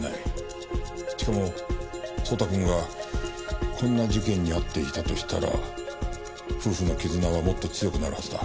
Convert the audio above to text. しかも蒼太くんがこんな事件に遭っていたとしたら夫婦の絆はもっと強くなるはずだ。